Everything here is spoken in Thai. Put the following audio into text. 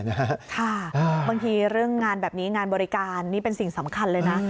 บางทีเรื่องงานแบบนี้งานบริการนี่เป็นสิ่งสำคัญเลยนะ